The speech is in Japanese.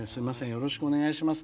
よろしくお願いします。